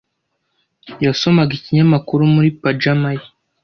Yasomaga ikinyamakuru muri pajama ye.